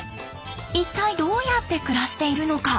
一体どうやって暮らしているのか？